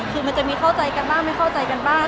คือมันจะมีเข้าใจกันบ้างไม่เข้าใจกันบ้าง